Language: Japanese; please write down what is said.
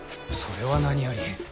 それは何より。